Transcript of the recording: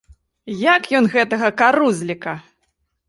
Як ён гэтага карузліка!